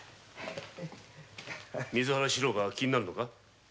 水原四郎の事が気になるのか？